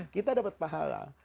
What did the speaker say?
kita dapat pahala